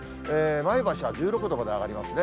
前橋は１６度まで上がりますね。